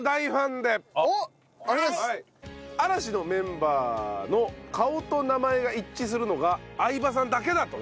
嵐のメンバーの顔と名前が一致するのが相葉さんだけだと。